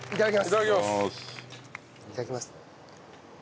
いただきます。